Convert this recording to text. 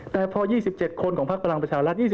แต่พอ๒๗คนของพักพลังประชารัฐ